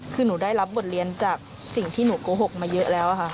คือหนูได้รับบทเรียนจากสิ่งที่หนูโกหกมาเยอะแล้วค่ะ